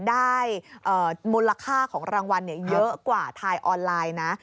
ได้มูลค่าของรางวัลเยอะกว่าทายออนไลน์นะ